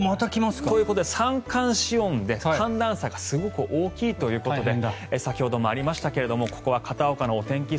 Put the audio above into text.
ということで三寒四温で寒暖差がすごく大きいということで先ほどもありましたがここは片岡のお天気